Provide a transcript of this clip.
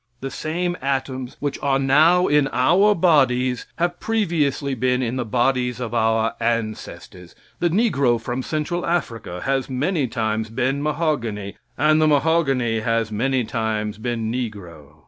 The same atoms which are now in our bodies have previously been in the bodies of our ancestors. The negro from Central Africa has many times been mahogany and the mahogany has many times been negro.